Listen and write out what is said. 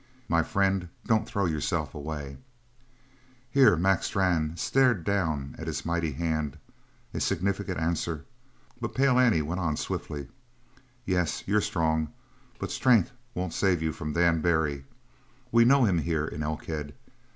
My friend, don't throw yourself away." Here Mac Strann stared down at his mighty hand a significant answer, but Pale Annie went on swiftly: "Yes, you're strong, but strength won't save you from Dan Barry. We know him here in Elkhead.